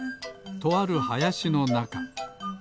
とあるはやしのなか。